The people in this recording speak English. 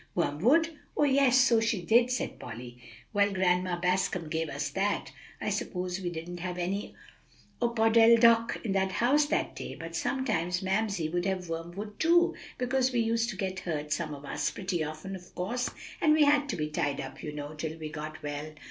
"Wormwood? Oh, yes, so she did," said Polly. "Well, Grandma Bascom gave us that; I suppose we didn't have any opodeldoc in the house that day. But sometimes Mamsie would have wormwood too, because we used to get hurt, some of us, pretty often, of course, and we had to be tied up, you know, till we got well."